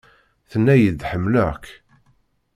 Tenna-yi-d "ḥemmleɣ-k".